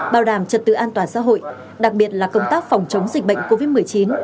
bảo đảm trật tự an toàn xã hội đặc biệt là công tác phòng chống dịch bệnh covid một mươi chín